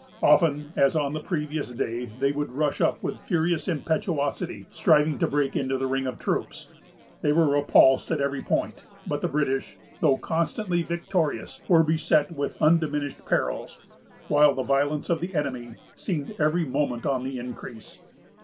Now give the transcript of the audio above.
Often, as on the previous day, they would rush up with furious impetuosity, striving to break into the ring of troops. They were repulsed at every point; but the British, though constantly victorious, were beset with undiminished perils, while the violence of the enemy seemed every moment on the increase.